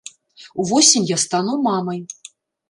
Увосень я стану мамай!